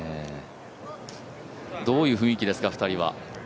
どういう雰囲気ですか、２人は。